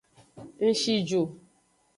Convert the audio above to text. Ng shi ju.